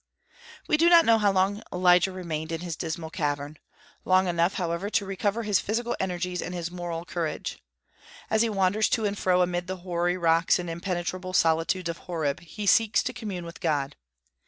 We do not know how long Elijah remained in his dismal cavern, long enough, however, to recover his physical energies and his moral courage. As he wanders to and fro amid the hoary rocks and impenetrable solitudes of Horeb, he seeks to commune with God.